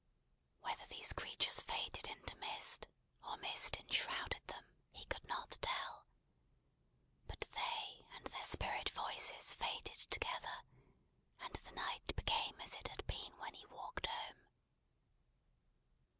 Whether these creatures faded into mist, or mist enshrouded them, he could not tell. But they and their spirit voices faded together; and the night became as it had been when he walked home.